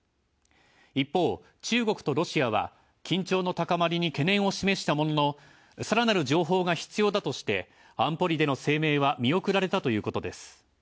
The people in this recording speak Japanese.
一方、中国とロシアは、緊張の高まりに懸念を示したものの、「さらなる情報が必要だ」として、安保理での声明は見送られたということです。